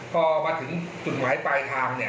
พอมาถึงจุดหมายปลายทางเนี่ย